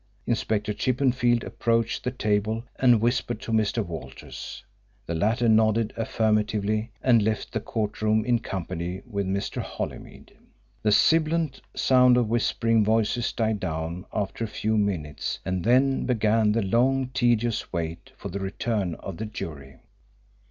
Inspector Chippenfield approached the table and whispered to Mr. Walters. The latter nodded affirmatively and left the court room in company with Mr. Holymead. The sibilant sound of whispering voices died down after a few minutes and then began the long tedious wait for the return of the jury.